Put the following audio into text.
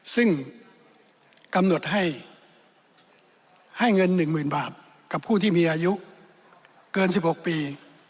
ซึ่งกำหนดให้เงิน๑๐๐๐บาทกับผู้ที่มีอายุเกิน๑๖ปี